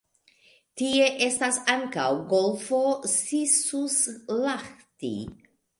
Tie estas ankaŭ golfo Sisuslahti.